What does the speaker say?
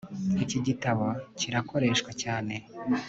Iki gitabo kirakoreshwa cyane